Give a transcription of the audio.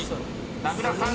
［名倉さん